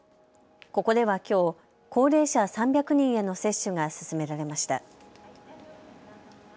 ここではきょう、高齢者３００人への接種が進められました。